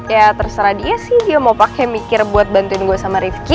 ya terserah dia sih dia mau pakai mikir buat bantuin gue sama rivki